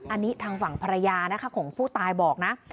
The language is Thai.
อันนี้ทางฝั่งภรรยานะคะของผู้ตายบอกนะ